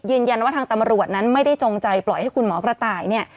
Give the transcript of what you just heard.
ยืนยันว่าทางตำรวจนั้นไม่ได้จงใจปล่อยให้คุณหมอกระต่ายเนี่ย